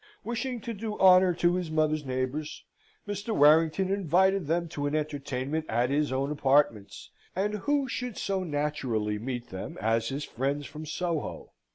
Wishing to do honour to his mother's neighbours, Mr. Warrington invited them to an entertainment at his own apartments; and who should so naturally meet them as his friends from Soho?